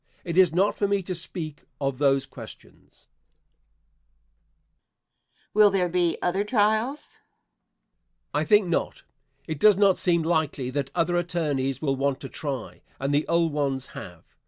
It is not for me to speak of those questions. Question. Will there be other trials? Answer. I think not. It does not seem likely that other attorneys will want to try, and the old ones have.